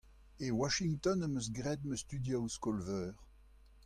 E Washington em eus graet ma studioù skol-veur.